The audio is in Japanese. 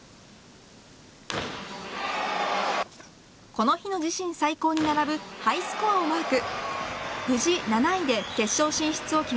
この日の自身最高に並ぶハイスコアをマーク。